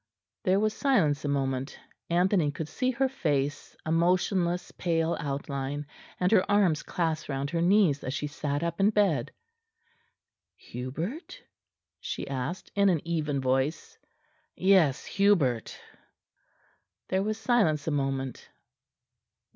There was silence a moment. Anthony could see her face, a motionless pale outline, and her arms clasped round her knees as she sat up in bed. "Hubert?" she asked in an even voice. "Yes, Hubert." There was silence a moment.